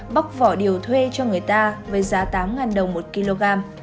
bóc vỏ điều thuê cho người ta với giá tám đồng một kg